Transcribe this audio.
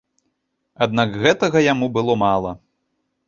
Аднак гэтага яму было мала.